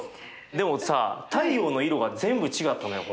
でもさ太陽の色が全部違ったのよ今回。